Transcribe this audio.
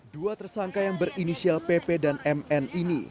dua tersangka yang berinisial pp dan mn ini